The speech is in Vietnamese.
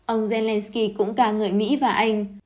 ông zelensky cũng ca ngợi mỹ và anh